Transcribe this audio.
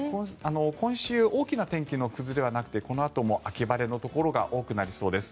今週大きな天気の崩れはなくてこのあとも秋晴れのところが多くなりそうです。